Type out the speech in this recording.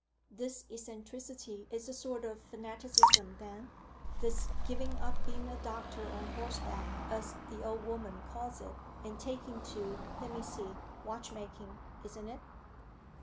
"This eccentricity is a sort of fanaticism, then? this giving up being a doctor on horseback, as the old woman calls it, and taking to let me see watchmaking, isn't it?"